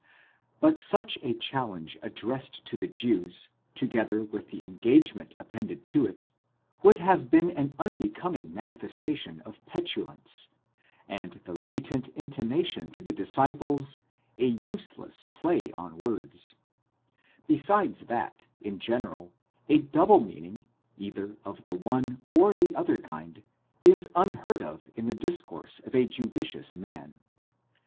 But such a challenge addressed to the Jews, together with the engagement appended to it, would have been an unbecoming manifestation of petulance, and the latent intimation to the disciples, a useless play on words ; besides that, in general, a double meaning either of the one or the other kind is unheard of in the discourse of a judicious man.